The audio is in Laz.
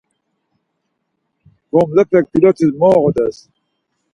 Gomlapek pilot̆is mu oğodes?